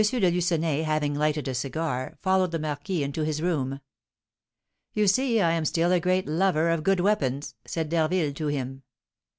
de Lucenay, having lighted a cigar, followed the marquis into his room. "You see, I am still a great lover of good weapons," said D'Harville to him.